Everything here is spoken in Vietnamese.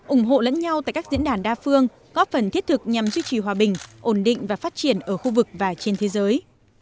ủng hộ lẫn nhau tại các diễn đàn đa phương góp phần thiết thực nhằm duy trì hòa bình ổn định và phát triển ở khu vực và trên thế giới